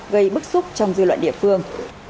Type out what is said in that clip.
gây bức xúc trong dư luận địa phương